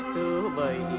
từ bầy đến dơ